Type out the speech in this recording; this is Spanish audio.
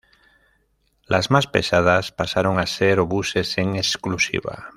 Las más pesadas pasarán a ser obuses en exclusiva.